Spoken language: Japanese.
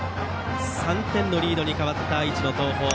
３点のリードに変わった愛知の東邦。